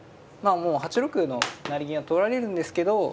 もう８六の成銀は取られるんですけど